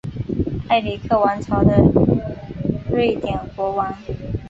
埃里克王朝的瑞典国王。